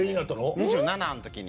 ２７の時に。